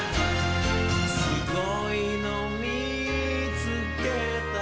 「すごいのみつけた」